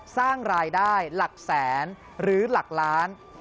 สร้างรายได้หลักแสนหรือหลักล้าน